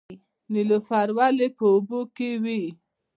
نیلوفر ولې په اوبو کې وي؟